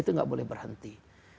tidak boleh berhenti